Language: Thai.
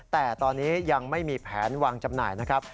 แต่ตอนนี้ยังไม่มีแผนวางจำหน่ายนะครับ